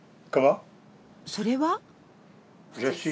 それは？